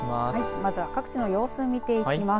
まずは各地の様子見ていきます。